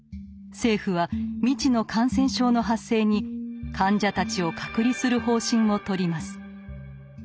政府は未知の感染症の発生に患者たちを隔離する方針をとります。